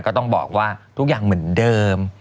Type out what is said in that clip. ก็ต้องบอกว่าทุกอย่างเหมือนเดิม